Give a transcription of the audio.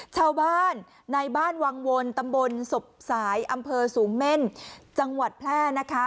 ชาวบ้านในบ้านวังวนตำบลศพสายอำเภอสูงเม่นจังหวัดแพร่นะคะ